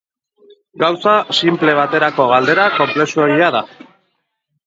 Gauza sinple baterako galdera konplexuegia da.